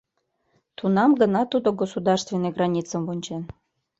Тунам гына тудо государственный границым вончен.